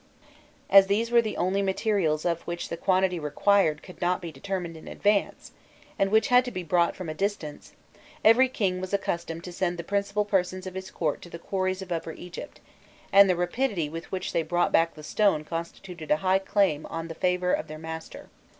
As these were the only materials of which the quantity required could not be determined in advance, and which had to be brought from a distance, every king was accustomed to send the principal persons of his court to the quarries of Upper Egypt, and the rapidity with which they brought back the stone constituted a high claim on the favour of their master.